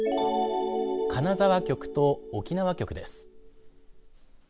金沢局と沖縄局です。